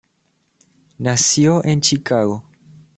Nació en Chicago.